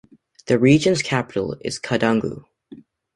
The region's capital is Koudougou.